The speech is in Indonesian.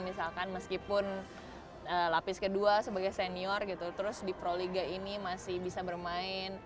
misalkan meskipun lapis kedua sebagai senior gitu terus di proliga ini masih bisa bermain